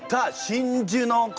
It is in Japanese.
真珠の粉！